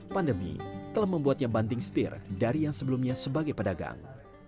pandemi telah membuatnya banting setir dari yang sebelumnya sebagai pedagang